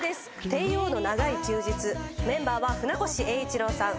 『テイオーの長い休日』メンバーは船越英一郎さん。